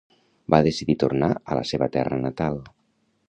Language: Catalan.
Va decidir tornar a la seva terra natal.